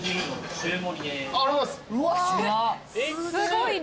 すごい量。